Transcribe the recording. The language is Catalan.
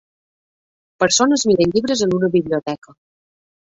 Persones miren llibres en una biblioteca.